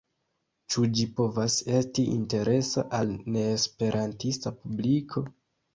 Ĉu ĝi povas esti interesa al neesperantista publiko?